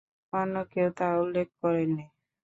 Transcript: অন্য কেউ তা উল্লেখ করেননি।